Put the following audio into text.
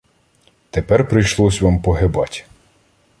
Тепер прийшлось вам погибать.